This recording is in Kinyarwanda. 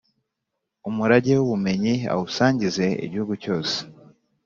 Umurage w’ubumenyi awusangize igihugu cyose